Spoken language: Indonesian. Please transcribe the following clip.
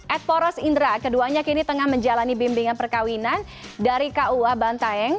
ed poros indra keduanya kini tengah menjalani bimbingan perkawinan dari kua bantaeng